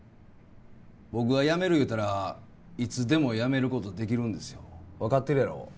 僕がやめる言うたらいつでもやめることできるんですよ分かってるやろ？